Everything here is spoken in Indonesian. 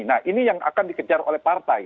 nah ini yang akan dikejar oleh partai